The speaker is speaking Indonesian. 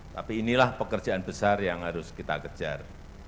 tapi inilah pekerjaan besar yang harus kita kejar